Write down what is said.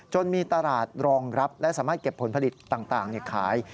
มีตลาดรองรับและสามารถเก็บผลผลิตต่างขาย